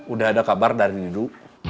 udah ada kabar dari dulu